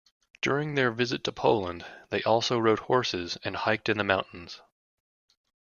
During their visit to Poland, they also rode horses and hiked in the mountains.